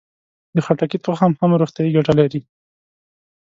د خټکي تخم هم روغتیایي ګټه لري.